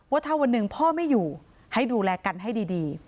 ว่าถ้าวันหนึ่งพ่อไม่อยู่ให้ดูแลกันให้ดี